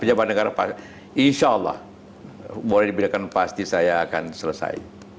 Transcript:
pejabat negara pasti insya allah boleh dibilang pasti saya akan selesai